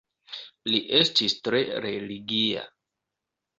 Li estis tre religia.